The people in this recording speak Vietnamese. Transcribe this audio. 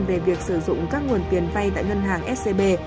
về việc sử dụng các nguồn tiền vay tại ngân hàng scb